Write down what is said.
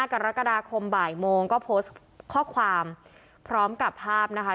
กรกฎาคมบ่ายโมงก็โพสต์ข้อความพร้อมกับภาพนะคะ